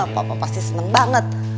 papa pasti seneng banget